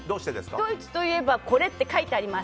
ドイツといえばこれって書いてあります。